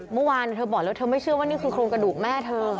เมื่อวานเธอบอกแล้วเธอไม่เชื่อว่านี่คือโครงกระดูกแม่เธอ